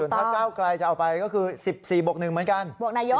ถ้าเก้าไกลจะเอาไปก็คือ๑๔บวก๑เหมือนกัน